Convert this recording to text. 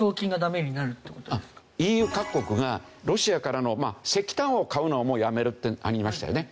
ＥＵ各国がロシアからの石炭を買うのはもうやめるってなりましたよね。